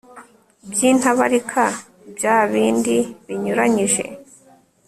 by'intabarika, bya bindi binyuranyije